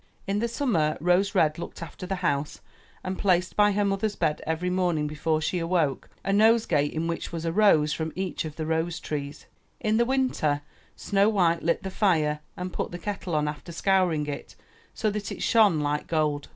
In the summer, Rose red looked after the house, and placed by her mother's bed every morning before she awoke, a nosegay in which was a rose from each of the rose trees. In the winter, Snow white lit the fire and put the kettle on after scouring it so that it shone like gold.